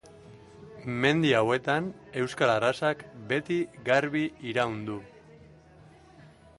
Mendi hauetan euskal arrazak beti garbi iraun du.